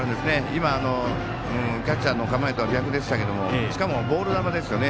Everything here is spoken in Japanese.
今、キャッチャーの構えとは逆でしたけどしかもボール球ですよね。